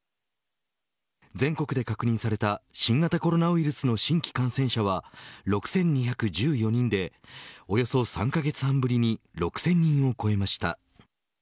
全国で確認された新型コロナウイルスの新規感染者は６２１４人でおよそ３カ月半ぶりに６０００人を超えました。